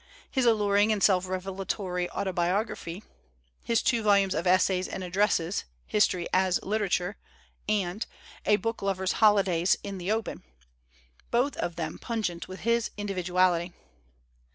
In alluring and vlatory auto iphy, his two volumes of essays and addresses, 'History as Literature' and 'A Book lover's Holidays in tin Open,' both of them pungent with his individuality.